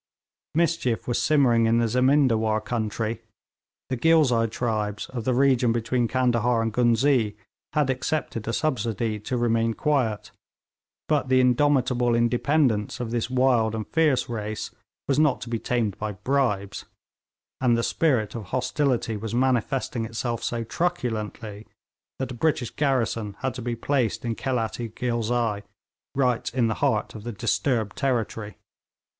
Mischief was simmering in the Zemindawar country. The Ghilzai tribes of the region between Candahar and Ghuznee had accepted a subsidy to remain quiet, but the indomitable independence of this wild and fierce race was not to be tamed by bribes, and the spirit of hostility was manifesting itself so truculently that a British garrison had been placed in Khelat i Ghilzai, right in the heart of the disturbed territory.